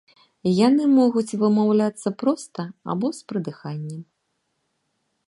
Яны могуць вымаўляцца проста або з прыдыханнем.